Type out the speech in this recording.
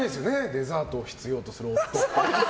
デザートを必要とする夫。